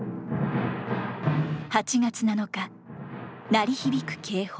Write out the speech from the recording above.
８月７日鳴り響く警報。